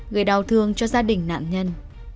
gây đau thương cho gia đình nạn nhân